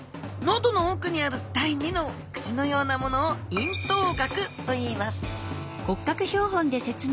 喉の奥にある第２の口のようなものを咽頭顎といいます